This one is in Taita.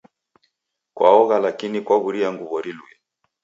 Kwaogha lakini kwaw'uria nguw'o riluye.